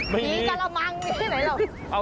พีกระมังแน่นไล่เหรอ